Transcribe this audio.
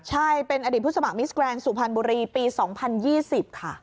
ใช่เป็นอดีตผู้สมัครมิสแกรนดสุพรรณบุรีปี๒๐๒๐ค่ะ